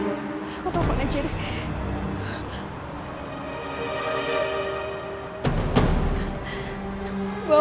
aku tau kok ngejirik